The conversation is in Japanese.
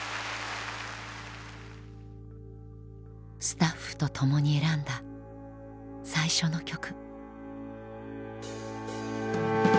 スタッフと共に選んだ最初の曲。